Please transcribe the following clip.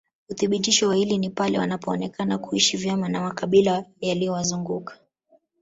Uthibitisho wa hili ni pale wanapoonekana kuishi vyema na makabila yaliyowazunguka